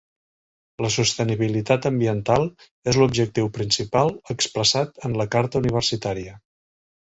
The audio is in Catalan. La sostenibilitat ambiental és l'objectiu principal expressat en la carta universitària.